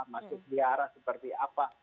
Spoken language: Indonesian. masuk biara seperti apa